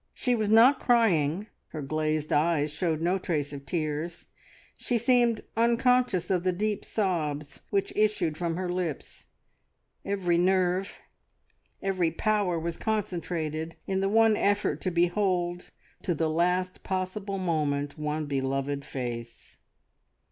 She was not crying; her glazed eyes showed no trace of tears, she seemed unconscious of the deep sobs which issued from her lips; every nerve, every power was concentrated in the one effort to behold to the last possible moment one beloved face.